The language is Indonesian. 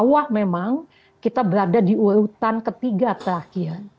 di bawah memang kita berada di urutan ketiga terakhir